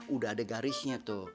udah ada garisnya tuh